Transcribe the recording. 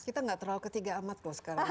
kita nggak terlalu ketiga amat loh sekarang